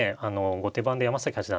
後手番で山崎八段